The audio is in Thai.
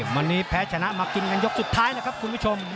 วันนี้แพ้ชนะมากินกันยกสุดท้ายนะครับคุณผู้ชม